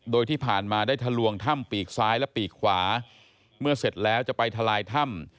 โดยที่ผ่านมาได้ทะลวงถ้ำปีกซ้ายและปีกขวาเมื่อเสร็จแล้วจะไปทลายถ้ำ